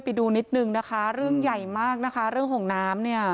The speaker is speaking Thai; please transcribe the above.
ไปดูนิดนึงนะคะเรื่องใหญ่มากนะคะเรื่องของน้ำเนี่ย